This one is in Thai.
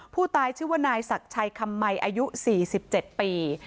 ผู้ตายชื่อว่านายศักดิ์ชัยคำไหมอายุ๔๗ปี